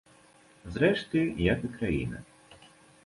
Зрэшты, як і краіна.